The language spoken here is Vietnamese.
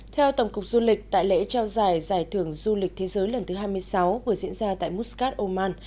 theo tổng cục du lịch tại lễ trao giải giải thưởng du lịch thế giới lần thứ hai mươi sáu vừa diễn ra tại muscat oman